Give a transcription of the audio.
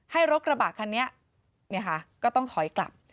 ให้รถกระบักคนนี้นี่ค่ะก็ต้องถอยกลับ